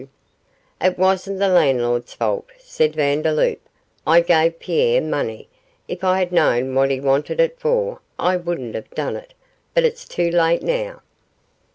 'It wasn't the landlord's fault,' said Vandeloup; 'I gave Pierre money if I had known what he wanted it for I wouldn't have done it but it's too late now.